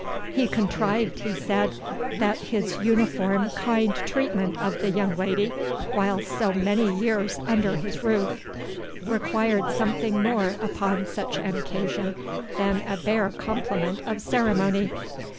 "He contrived," he said, "that his uniform kind treatment of the young lady, while so many years under his roof, required something more upon such an occasion than a bare compliment of ceremony.